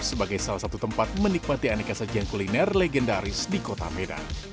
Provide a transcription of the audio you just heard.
sebagai salah satu tempat menikmati aneka sajian kuliner legendaris di kota medan